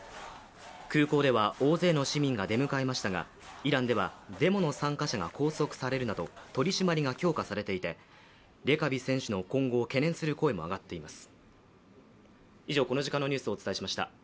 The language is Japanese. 空港では大勢の市民が出迎えましたがイランではデモの参加者が拘束されるなど取り締まりが強化されていてレカビ選手の今後を懸念する声も上がっています。